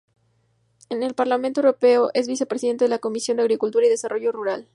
En el Parlamento Europeo es vicepresidente de la Comisión de Agricultura y Desarrollo Rural.